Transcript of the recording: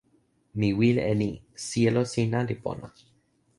mi wile e ni: sijelo sina li pona.